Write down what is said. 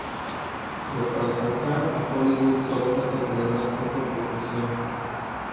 Pero para alcanzar a Hollywood, solo falta tener más tiempo en producción.